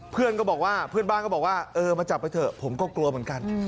เพื่อนบ้านก็บอกว่าเฮ้มาจับไว้เถอะผมก็กลัวเห็นกัน